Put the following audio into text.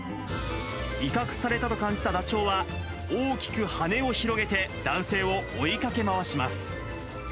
威嚇されたと感じたダチョウは、大きく羽を広げて、男性を追いかけ回します。